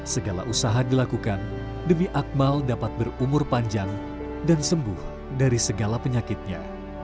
segala usaha dilakukan demi akmal dapat berumur panjang dan sembuh dari segala penyakitnya